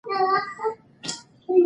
که ټولګی وي نو جهالت نه وي.